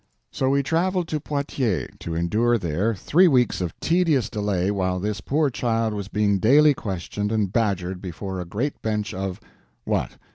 So we traveled to Poitiers, to endure there three weeks of tedious delay while this poor child was being daily questioned and badgered before a great bench of—what?